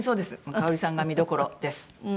かおりさんが見どころです。